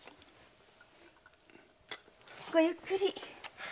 ごゆっくり。